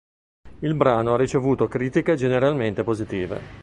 Il brano ha ricevuto critiche generalmente positive.